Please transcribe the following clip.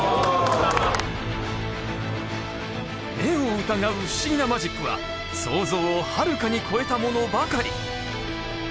目を疑う不思議なマジックは想像をはるかに超えたものばかり。